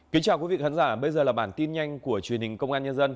kính chào quý vị khán giả bây giờ là bản tin nhanh của truyền hình công an nhân dân